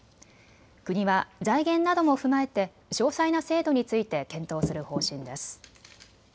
国は財源なども踏まえて詳細な制度について検討する方針です。